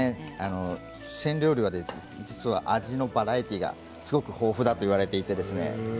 四川料理は実は味のバラエティーがすごく豊富だと言われていてですね